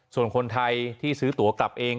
ส่วนคนไทยที่ซื้อตัวกลับเอง